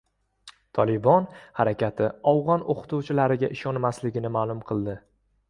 «Tolibon» harakati afg‘on o‘qituvchilariga ishonmasligini ma’lum qildi